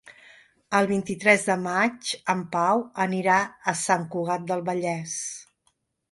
El vint-i-tres de maig en Pau anirà a Sant Cugat del Vallès.